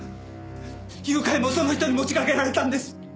誘拐もその人に持ちかけられたんです！